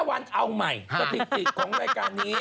วันเอาใหม่สถิติของรายการนี้